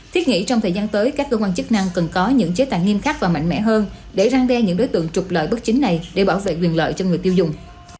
thiết nghĩ trong thời gian tới các cơ quan chức năng cần có những chế tài nghiêm khắc và mạnh mẽ hơn để răng đe những đối tượng trục lợi bất chính này để bảo vệ quyền lợi cho người tiêu dùng